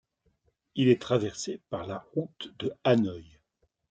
Il est traversé par la route de Hanoï.